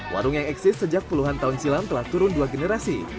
warung yang eksis sejak puluhan tahun silam telah turun dua generasi